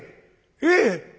ええ。